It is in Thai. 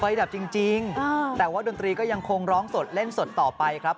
ดับจริงแต่ว่าดนตรีก็ยังคงร้องสดเล่นสดต่อไปครับ